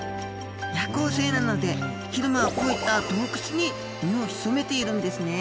夜行性なので昼間はこういった洞窟に身を潜めているんですね